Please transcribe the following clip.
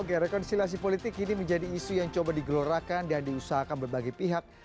oke rekonsiliasi politik kini menjadi isu yang coba digelorakan dan diusahakan berbagai pihak